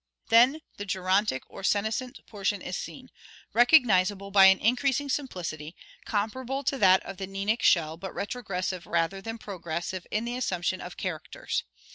Then the gerontic or senescent portion is seen, recogniza ble by an increasing simplicity, comparable to that of the neanic shell but retrogressive rather than progressive in the assumption of characters.